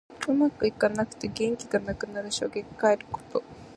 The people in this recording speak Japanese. うまくいかなくて元気がなくなる。しょげかえること。